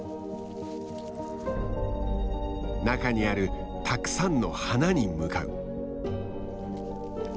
中にあるたくさんの花に向かう。